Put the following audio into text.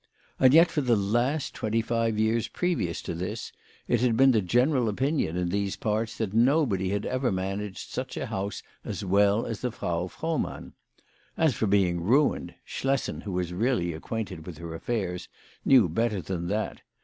And yet for the last twenty five years previous to this it had been the general opinion in these parts that no body had ever managed such a house as well as the Frau Frohmann. As for being ruined, Schlessen, who was really acquainted with her affairs, knew better than that.